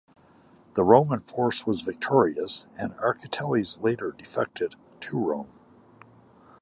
The Roman force was victorious, and Archelaus later defected to Rome.